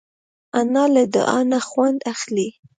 انا له دعا نه خوند اخلي